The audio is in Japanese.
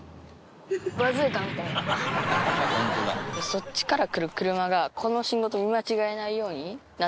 そっちから来る車がこの信号と見間違えないようになっていて